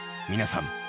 皆さん